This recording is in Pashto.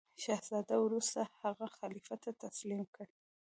شهزاده وروسته هغه خلیفه ته تسلیم کړ.